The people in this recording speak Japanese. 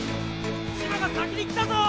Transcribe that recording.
千葉が先に来たぞ！